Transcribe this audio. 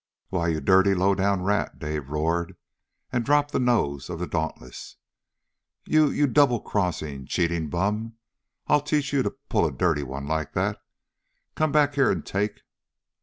"Why, you dirty, low down rat!" Dave roared, and dropped the nose of the Dauntless. "You you double crossing, cheating bum! I'll teach you to pull a dirty one like that! Come back here and take